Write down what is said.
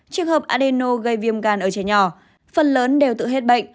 trường hợp adeno gây viêm gan ở trẻ nhỏ phần lớn đều tự hết bệnh